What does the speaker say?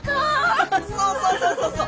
ハハハそうそうそうそうそう！